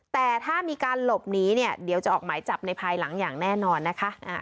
แต่ถ้ามีการหลบหนีเนี่ยเดี๋ยวจะออกหมายจับในภายหลังอย่างแน่นอนนะคะ